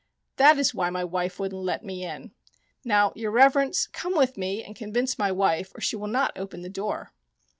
"That is why my wife wouldn't let me in. Now, your Reverence, come with me and convince my wife, or she will not open the door."